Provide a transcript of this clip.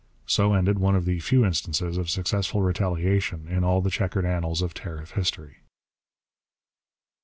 So ended one of the few instances of successful retaliation in all the chequered annals of tariff history.